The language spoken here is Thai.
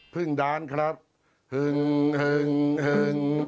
เพึ่งดานส์ครับหึงหึ่งหึ่ง